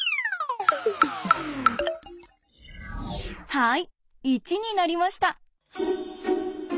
はい１になりました！